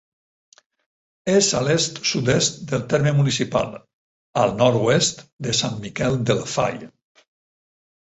És a l'est-sud-est del terme municipal, al nord-oest de Sant Miquel del Fai.